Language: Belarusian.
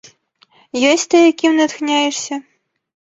Ёсць тыя, кім натхняешся?